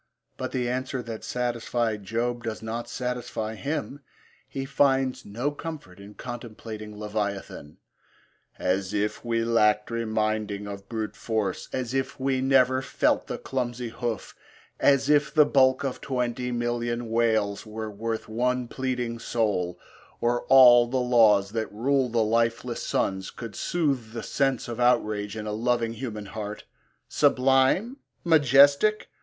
But the answer that satisfied Job does not satisfy him. He finds no comfort in contemplating Leviathan: As if we lacked reminding of brute force, As if we never felt the clumsy hoof, As if the bulk of twenty million whales Were worth one pleading soul, or all the laws That rule the lifeless suns could soothe the sense Of outrage in a loving human heart! Sublime? majestic?